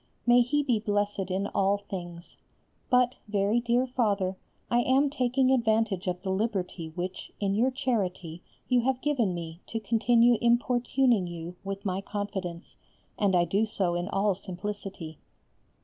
May He be blessed in all things. But, very dear Father, I am taking advantage of the liberty which in your charity you have given me to continue importuning you with my confidence, and I do so in all simplicity.